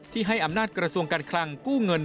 ให้อำนาจกระทรวงการคลังกู้เงิน